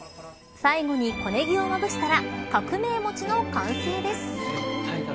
最後に小ネギをまぶしたら革命餅の完成です。